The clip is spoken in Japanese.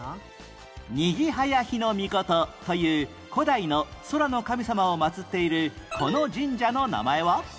饒速日命という古代の空の神様を祀っているこの神社の名前は？